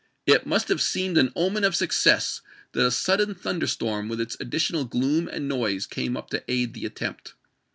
It must have seemed an omen of success that a sudden thunder storm with its additional gloom and noise came up to aid the attempt.